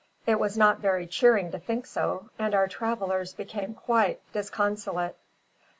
It was not very cheering to think so; and our travellers became quite disconsolate.